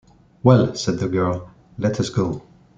"Well," said the girl, "let us go."